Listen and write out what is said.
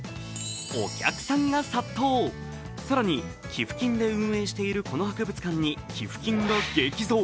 更に寄付金で運営しているこの博物館に寄付金が激増。